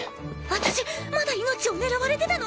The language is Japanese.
私まだ命を狙われてたの⁉